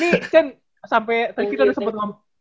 ya ini chen sampe tadi kita udah sempet ngobrol